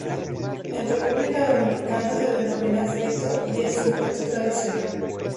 En República Dominicana se denomina frito y es un plato tradicional.